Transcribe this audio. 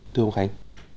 thưa ông khánh